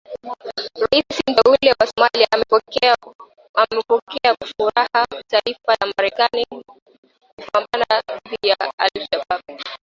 Raisi Mteule wa Somalia amepokea kwa furaha taarifa ya Marekani kupambana dhidi ya Al Shabaab